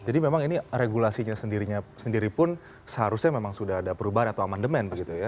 jadi memang ini regulasinya sendiri pun seharusnya memang sudah ada perubahan atau amandemen begitu ya